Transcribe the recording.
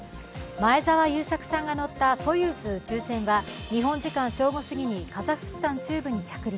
前澤友作さんが乗ったソユーズ宇宙船は日本時間正午過ぎにカザフスタン中部に着陸。